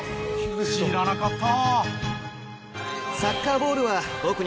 知らなかった！